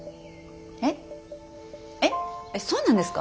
えっえっそうなんですか？